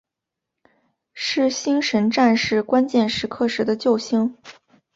是星神战士关键时刻时的救星。